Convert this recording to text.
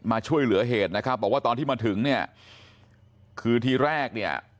มาช่วยเหลือเหตุนะครับบอกว่าตอนที่มาถึงเนี่ยคือทีแรกเนี่ย